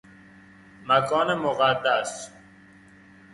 مکان مقدس